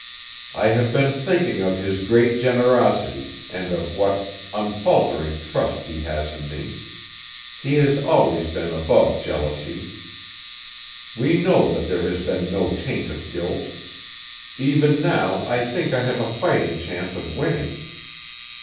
I have been thinking of his great generosity and of what unfaltering trust he has in me ... he has always been above jealousy. We know that there has been no taint of guilt. Even now I think I have a fighting chance of winning.